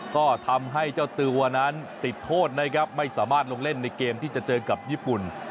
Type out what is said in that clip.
ก็ทำให้เจ้าตัวนั้นติดโทษนะครับไม่สามารถลงเล่นในเกมที่จะเจอกับญี่ปุ่น